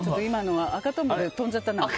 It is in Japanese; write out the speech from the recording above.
「赤とんぼ」で飛んじゃったな。